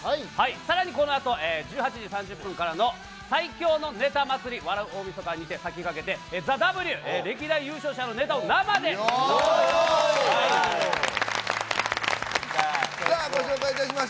さらにこのあと、１８時３０分からの最強のネタ祭り！笑う大晦日に先駆けて、ＴＨＥＷ歴代優勝者のネタを生でご覧いただきます。